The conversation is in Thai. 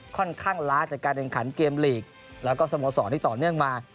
ค่อนข้างล้าจากการแข่งขันเกมลีกแล้วก็สโมสรที่ต่อเนื่องมา